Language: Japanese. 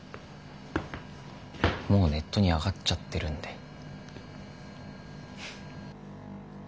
もうネットにあがっちゃってるんで。